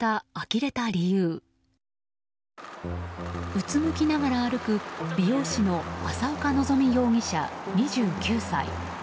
うつむきながら歩く美容師の浅岡眺仁容疑者、２９歳。